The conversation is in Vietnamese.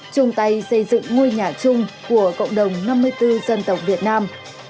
chung tay xây dựng ngôi nhà chung của cộng đồng năm mươi bốn dân tộc việt nam